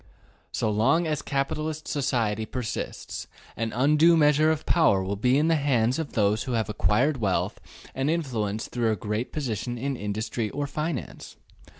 So long as capitalist society persists, an undue measure of power will be in the hands of those who have acquired wealth and influence through a great position in industry or finance.